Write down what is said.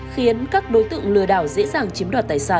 khiến các đối tượng lừa đảo dễ dàng chiếm đoạt tài sản